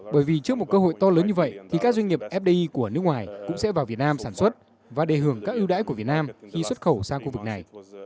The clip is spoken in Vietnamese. bởi vì trước một cơ hội to lớn như vậy thì các doanh nghiệp fdi của nước ngoài cũng sẽ vào việt nam sản xuất và đề hưởng các ưu đãi của việt nam khi xuất khẩu sang khu vực này